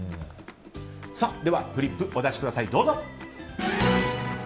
ではフリップをお出しください。